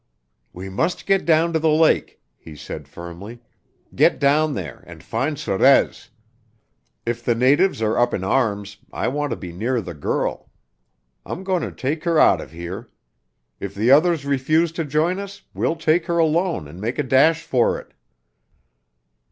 "We must get down to the lake," he said firmly. "Get down there and find Sorez. If the natives are up in arms, I want to be near the girl. I'm going to take her out of here. If the others refuse to join us, we'll take her alone and make a dash for it."